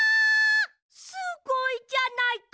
すごいじゃないか！